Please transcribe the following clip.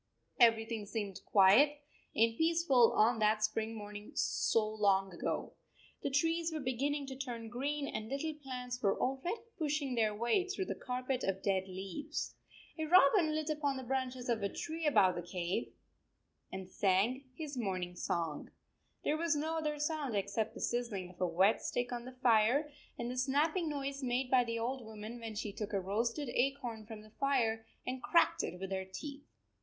Everything seemed quiet and peaceful on that spring morning so long ago. The trees were beginning to turn green and little plants were already pushing their way through the carpet of dead leaves. A robin lit upon the branches of a tree above the cave and sang his morning song. There was no other sound except the sizzling of a wet stick on the fire, and the snapping noise made by the old woman when she took a roasted acorn from the fire and cracked it with her teeth.